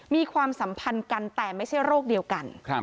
ความสัมพันธ์กันแต่ไม่ใช่โรคเดียวกัน